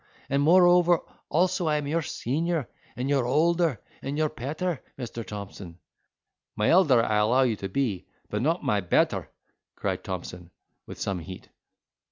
And moreover, also, I am your senior, and your older, and your petter, Mr. Thompson." "My elder, I'll allow you to be, but not my better!" cried Thompson, with some heat.